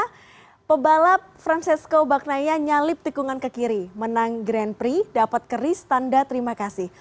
karena pebalap francisco bagnaya nyalip tikungan ke kiri menang grand prix dapat keris tanda terima kasih